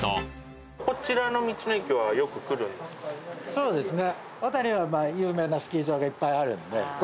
そうですね。